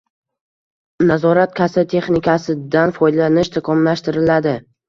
Nazorat-kassa texnikasidan foydalanish takomillashtiriladi